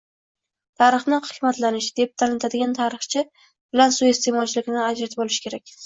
Tarixni hikmatlanish, deb tanitadigan haqiqiy tarixchi bilan suiiste’molchilarni ajratib olish kerak.